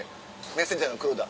「メッセンジャーの黒田」